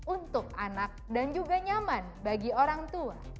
untuk anak dan juga nyaman bagi orang tua